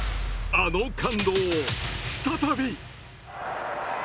あの感動を再び！